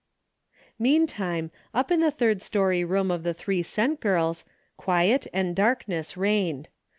Meantime, up in the third story room of the '' three cent " girls, quiet and darkness reigned.